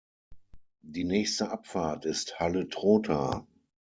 Die nächste Abfahrt ist „Halle-Trotha“.